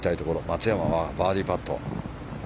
松山はバーディーパット。